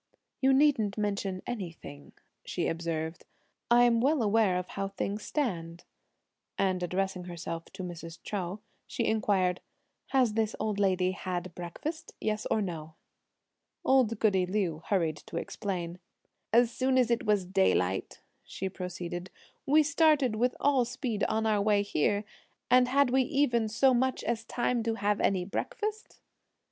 "You needn't mention anything," she observed, "I'm well aware of how things stand;" and addressing herself to Mrs. Chou, she inquired, "Has this old lady had breakfast, yes or no?" Old goody Liu hurried to explain. "As soon as it was daylight," she proceeded, "we started with all speed on our way here, and had we even so much as time to have any breakfast?"